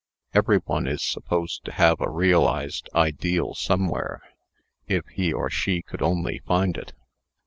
Everybody is supposed to have a realized ideal somewhere, if he or she could only find it.